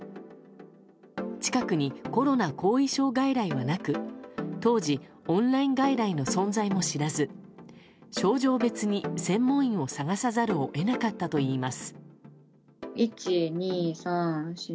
近くにコロナ後遺症外来はなく当時、オンライン外来の存在も知らず症状別に専門医を探さざるを得なかったといいます。